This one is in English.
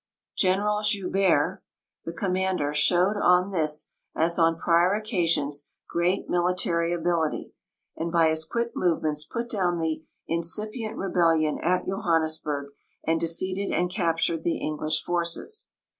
General Joubert, A FRICA SINCE 18S8 167 the commander, showed on this, as on prior occasions, great mili tar}' ability, and by his quick movements put down the incipient rebellion at Johannesburg, and defeated and captured the En glish forces.